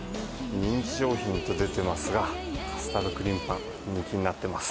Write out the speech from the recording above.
人気商品と出てますがカスタードクリームパン人気になってます